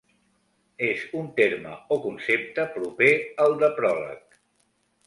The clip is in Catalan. És un terme o concepte proper al de pròleg.